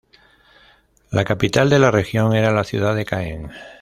La capital de la región era la ciudad de Caen.